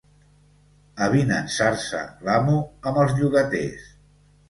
Avinençar-se l'amo amb els llogaters.